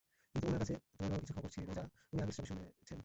কিন্তু ওনার কাছে তোমার বাবার কিছু খবর ছিল যা উনি আগের স্টপে শুনেছেন।